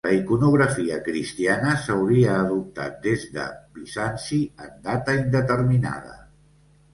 La iconografia cristiana s'hauria adoptat des de Bizanci en data indeterminada.